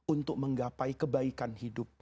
untuk menggapai kebaikan hidup